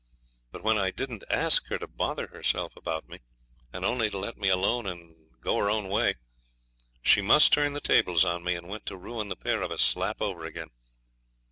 Now when I didn't ask her to bother herself about me, and only to let me alone and go her own way, she must turn the tables on me, and want to ruin the pair of us slap over again.